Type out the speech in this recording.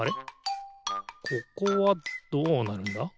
ここはどうなるんだ？